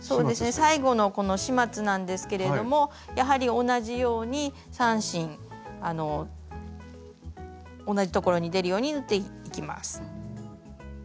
最後のこの始末なんですけれどもやはり同じように３針同じところに出るように縫っていきます。